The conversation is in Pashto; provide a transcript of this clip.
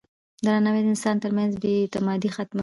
درناوی د انسانانو ترمنځ بې اعتمادي ختموي.